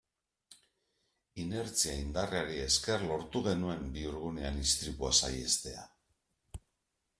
Inertzia indarrari esker lortu genuen bihurgunean istripua saihestea.